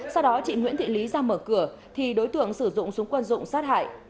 sau đó chị nguyễn thị lý ra mở cửa thì đối tượng sử dụng súng quân dụng sát hại